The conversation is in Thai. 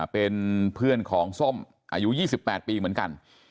เป็นเพื่อนของส้มอายุ๒๘ปีเหมือนกัน